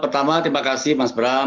pertama terima kasih mas bram